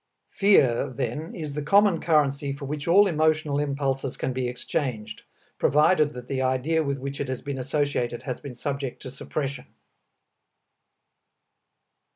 Fear then is the common currency for which all emotional impulses can be exchanged, provided that the idea with which it has been associated has been subject to suppression.